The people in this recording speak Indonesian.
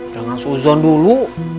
jangan seuzon dulu